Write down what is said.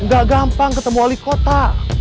gak gampang ketemu wali kota